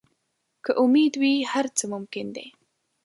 که امید وي، هر څه ممکن دي.